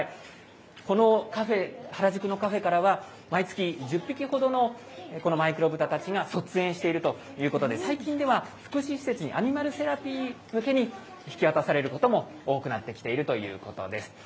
このカフェ、原宿のカフェからは、毎月１０匹ほどのマイクロブタたちが卒園しているということで、最近では福祉施設にアニマルセラピー向けに引き渡されることも多くなってきているということです。